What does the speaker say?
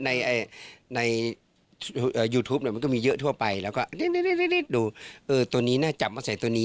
ในในยูทูปเนี่ยมันก็มีเยอะทั่วไปแล้วก็รีบดูตัวนี้น่าจับมาใส่ตัวนี้